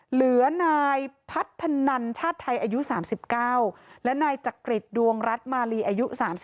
เหลือนายพัฒนันชาติไทยอายุ๓๙และนายจักริตดวงรัฐมาลีอายุ๓๒